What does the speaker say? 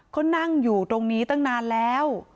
เขานั่งอยู่ตรงนี้ตั้งนานแล้ว